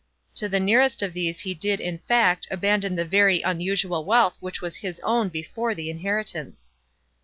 To the nearest of these he did, in fact, abandon the very unusual wealth which was his own before the inheritance.